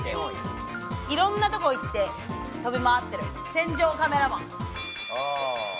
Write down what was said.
いろんなとこ行って飛び回ってる戦場カメラマン。